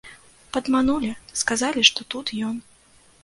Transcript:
Падманулі, сказалі, што тут ён.